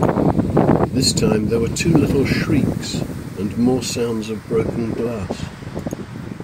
This time there were two little shrieks, and more sounds of broken glass.